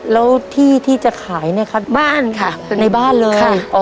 แล้วที่จะขายเนี่ยคะบ้านค่ะในบ้านเลยอ๋อ